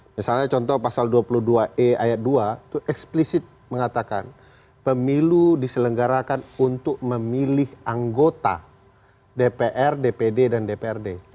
misalnya contoh pasal dua puluh dua e ayat dua itu eksplisit mengatakan pemilu diselenggarakan untuk memilih anggota dpr dpd dan dprd